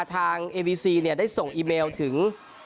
ทางเอวีซีได้ส่งอีเมลถึง